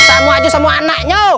samu aju samu anaknya